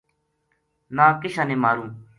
نا کشن ماروں